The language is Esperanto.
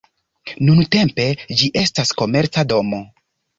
Nuntempe ĝi estas komerca domo.